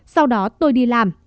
sau đó tôi đi làm